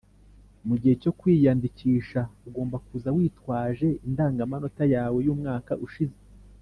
Mu gihe cyo kwiyandikisha Ugomba kuza witwaje indanga manota yawe yumwaka ushize